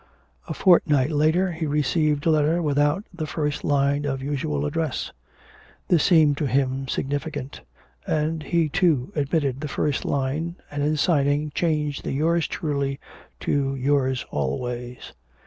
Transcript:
A fortnight later he received a letter without the first line of usual address. This seemed to him significant, and he too omitted the first line, and in signing changed the yours truly to yours always.